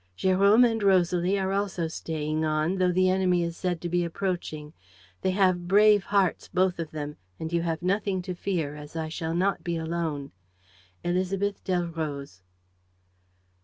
"Jérôme and Rosalie are also staying on, though the enemy is said to be approaching. They have brave hearts, both of them, and you have nothing to fear, as I shall not be alone. ÉLISABETH DELROZE."